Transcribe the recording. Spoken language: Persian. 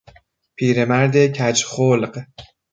پیرمرد کج خلق